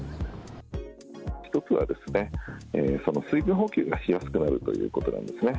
１つは水分補給がしやすくなるということなんですね。